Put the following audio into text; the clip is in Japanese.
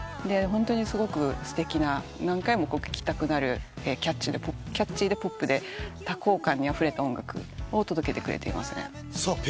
ホントにすごくすてきな何回も聴きたくなるキャッチーでポップで多幸感にあふれた音楽を届けてくれていますね。